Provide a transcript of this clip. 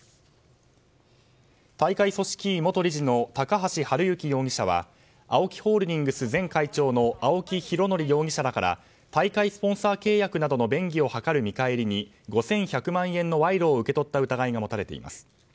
大会組織委元理事の高橋治之容疑者はＡＯＫＩホールディングス前会長の青木拡憲容疑者らから大会スポンサー契約などの便宜を図る見返りに５１００万円の賄賂を受け取った疑いが持たれています。